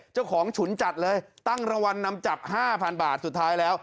เจ้าของฉุนจัดเลยตั้งรวันนำจับ๕๐๐๐บาทสุดท้ายแล้ว